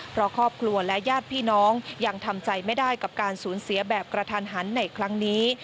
เพราะครอบครัวและญาติพี่น้องยังทำใจไม่ได้กับการสูญเสียแบบกระทันหันในครั้งนี้